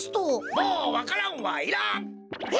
もうわか蘭はいらん！え！？